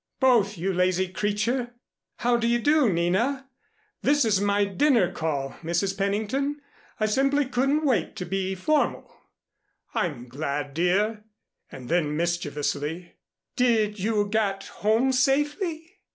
"Both, you lazy creature! How do you do, Nina? This is my dinner call, Mrs. Pennington. I simply couldn't wait to be formal." "I'm glad, dear." And then mischievously, "Did you get home safely?"